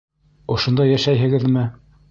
Ошонда йәшәйһегеҙме?